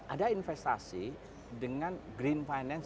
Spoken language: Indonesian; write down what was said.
ada investasi dengan green finance